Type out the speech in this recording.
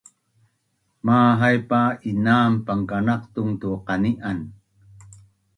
Mahaip pa inam pangkanaqtung tu qani’an